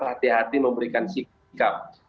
hati hati memberikan sikap